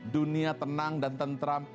dunia tenang dan tentram